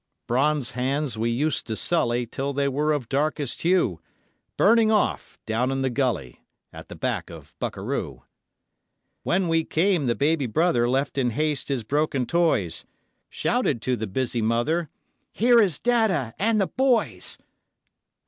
Bronzed hands we used to sully Till they were of darkest hue, 'Burning off' down in the gully At the back of Bukaroo. When we came the baby brother Left in haste his broken toys, Shouted to the busy mother: 'Here is dadda and the boys!'